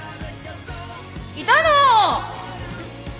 いたの？